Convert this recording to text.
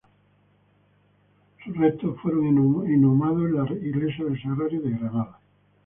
Sus restos fueron inhumados en la iglesia del Sagrario de Granada.